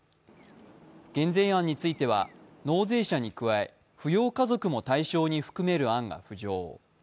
減税案については納税者に加え、扶養家族も対象に含める案が浮上。